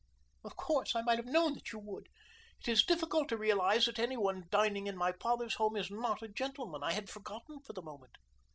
"Oh, of course, I might have known that you would. It is difficult to realize that any one dining at my father's home is not a gentleman. I had forgotten for the moment."